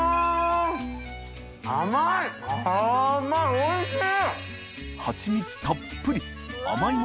おいしい？